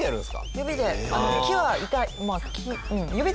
指で。